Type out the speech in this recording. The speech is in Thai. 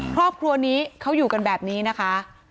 ครอบครัวนี้เขาอยู่กันแบบนี้นะคะ